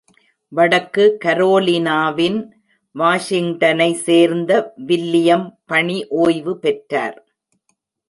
வடக்கு கரோலினாவின், வாஷிங்டனை சேர்ந்த வில்லியம் பணி ஓய்வுபெற்றவர்.